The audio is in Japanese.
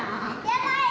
やばい！